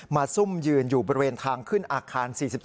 ซุ่มยืนอยู่บริเวณทางขึ้นอาคาร๔๒